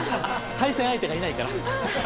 対戦相手がいないから。